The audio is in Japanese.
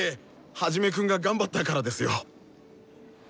ハジメくんが頑張ったからですよ！